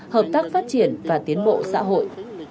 hợp tác phát triển và tiến bộ xã hội